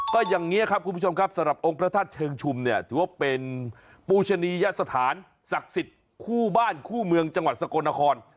ก็อย่างนี้ครับคุณผู้ชมครับสำหรับองค์พระธาตุเชิงชุมเนี่ยถือว่าเป็นปูชนียสถานศักดิ์สิทธิ์คู่บ้านคู่เมืองจังหวัดสกลนคร